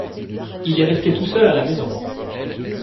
Il est resté tout seul à la maison.